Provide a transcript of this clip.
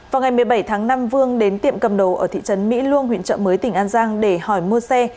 vào ngày một mươi bảy tháng năm vương đến tiệm cầm đồ ở thị trấn mỹ luông huyện trợ mới tỉnh an giang để hỏi mua xe